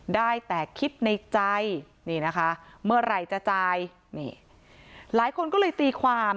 ได้แต่คิดในใจนี่นะคะเมื่อไหร่จะจ่ายนี่หลายคนก็เลยตีความ